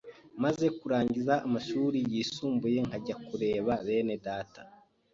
Maze kurangiza amashuri yisumbuye nkajya kurebadata